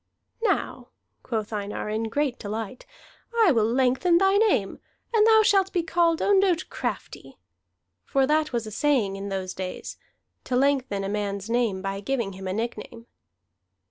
"Now," quoth Einar in great delight, "I will lengthen thy name, and thou shalt be called Ondott Crafty." For that was a saying in those days, to lengthen a man's name by giving him a nickname.